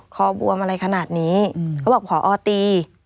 บวมอะไรขนาดนี้เขาบอกผอตี